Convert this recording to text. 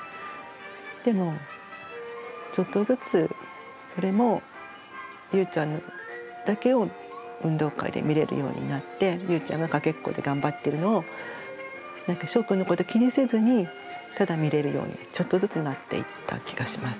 でもちょっとずつそれもゆうちゃんだけを運動会で見れるようになってゆうちゃんがかけっこで頑張ってるのをしょうくんのこと気にせずにただ見れるようにちょっとずつなっていった気がします。